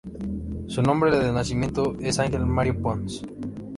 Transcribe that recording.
Su nombre de nacimiento es Ángel Mario Ponce.